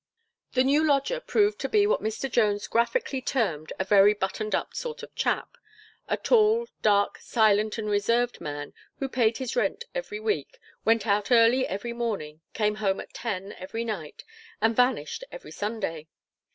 The new lodger proved to be what Mr. Jones graphically termed "a very buttoned up sort of chap;" a tall, dark, silent, and reserved man, who paid his rent every week, went out early every morning, came home at ten every night, and vanished every Sunday.